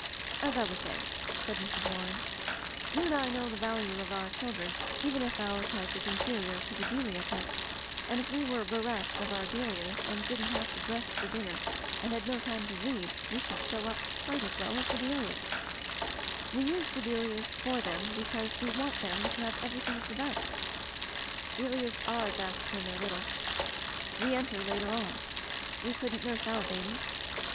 ... "As I was saying," said Mrs. Waring, "you and I know the value of our chil dren even if our type is inferior to the Delia type; and if we were bereft of our Delias and didn't have to dress for dinner and had no time to read we should show up quite as well as the Delias. Digitized by LjOOQ IC Interventions "We use the Delias for them because we want them to have everything of the best. Delias are best when they're little. We enter later on. We couldn't nurse our babies.